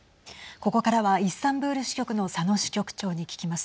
ここからはイスタンブール支局の佐野支局長に聞きます。